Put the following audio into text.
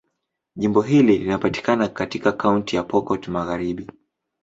Jimbo hili linapatikana katika Kaunti ya Pokot Magharibi.